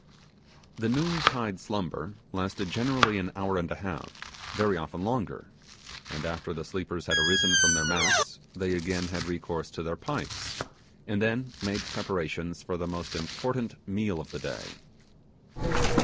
The noon tide slumber lasted generally an hour and a half: very often longer; and after the sleepers had arisen from their mats they again had recourse to their pipes, and then made preparations for the most important meal of the day.